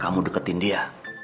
kamu deketin dia